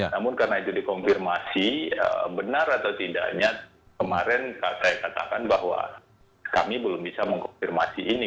namun karena itu dikonfirmasi benar atau tidaknya kemarin saya katakan bahwa kami belum bisa mengkonfirmasi ini